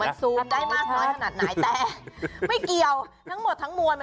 มันซูมได้มากน้อยขนาดไหนแต่ไม่เกี่ยวทั้งหมดทั้งมวล